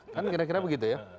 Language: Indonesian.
kan kira kira begitu ya